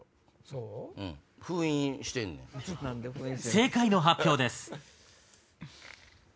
正解の発表です。